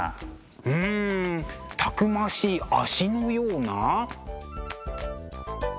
うんたくましい足のような。